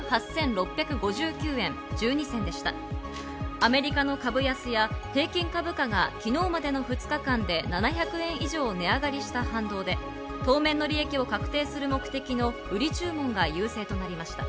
アメリカの株安や平均株価が昨日までの２日間で、７００円以上値上がりした反動で、当面の利益を確定する目的の売り注文が優勢となりました。